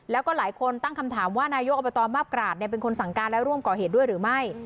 แล้วก็หลายคนตั้งคำถามว่านายกอบตมาบกราศเป็นคนสั่งการและร่วมก่อเหตุด้วยหรือไม่